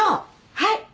はい。